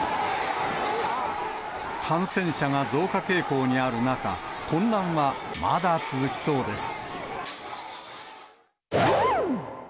感染者が増加傾向にある中、混乱はまだ続きそうです。